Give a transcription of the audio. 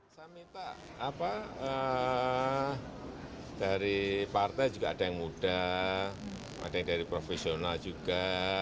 saya minta dari partai juga ada yang muda ada yang dari profesional juga